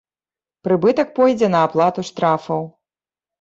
Прыбытак пойдзе на аплату штрафаў.